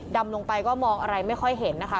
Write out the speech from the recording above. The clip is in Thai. ดำลงไปก็มองอะไรไม่ค่อยเห็นนะคะ